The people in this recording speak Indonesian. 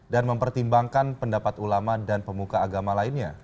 dan mempertimbangkan pendapat ulama dan pemuka agama lainnya